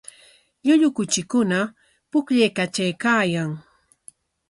Llullu kuchikuna pukllaykatraykaayan.